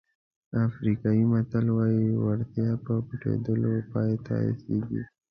افریقایي متل وایي وړتیا په پټېدلو پای ته رسېږي.